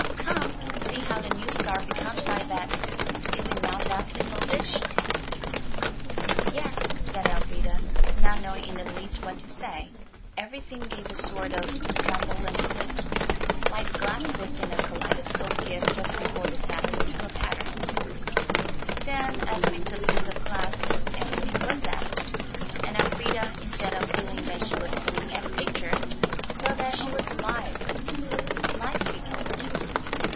Come, see how the new scarf becomes thy Bet. Is it not vastly modish?" "Yes," said Elfrida, not knowing in the least what to say. Everything gave a sort of tremble and twist, like the glass bits in a kaleidoscope give just before they settle into a pattern. Then, as with the bits of glass, everything was settled, and Elfrida, instead of feeling that she was looking at a picture, felt that she was alive, with live people.